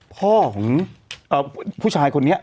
พ่อของเอ่อที่ผู้ชายคนนี้